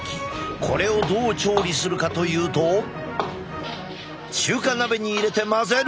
これをどう調理するかというと中華鍋に入れて混ぜる。